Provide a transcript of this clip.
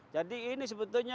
jadi ini sebetulnya